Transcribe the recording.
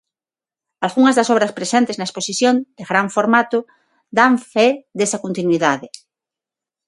Algunhas das obras presentes na exposición, de gran formato, dan, fe desa continuidade.